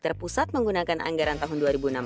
terpusat menggunakan anggaran tahun dua ribu enam belas